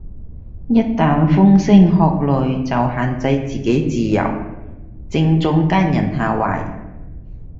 一但風聲鶴唳就限制自己自由，正中奸人下懷